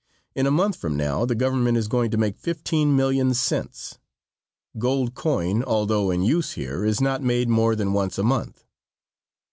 In a month from now the government is going to make fifteen million cents. Gold coin, although in use here, is not made more than once a month.